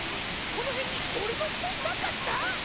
このへんにおれのふとんなかった？